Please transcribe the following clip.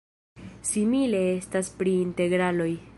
Simile estas pri integraloj.